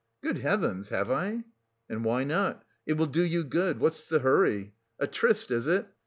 "Good heavens! Have I?" "And why not? It will do you good. What's the hurry? A tryst, is it?